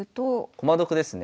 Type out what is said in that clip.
駒得ですね。